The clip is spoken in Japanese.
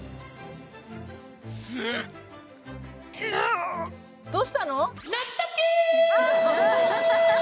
ぬぅどうしたの？